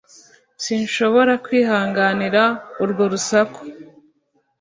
sinshobora kwihanganira urwo rusaku